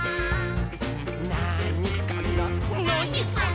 「なーにかな？」